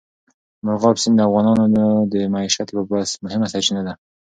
مورغاب سیند د افغانانو د معیشت یوه مهمه سرچینه ده.